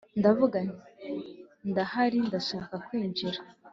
ndavuga nti ndahari ndashaka kwinjira